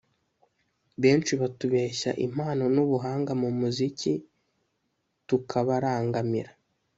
Benshi batubeshya impano n’ubuhanga mu muziki tukabarangamira